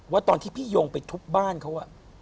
ว่าตอนที่พี่ยงไปทุบบ้านเขา